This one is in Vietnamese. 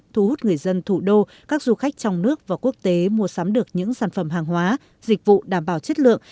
thu hút người dân thủ đô các du khách trong nước và quốc tế mua sắm được những sản phẩm hàng hóa dịch vụ đảm bảo chất lượng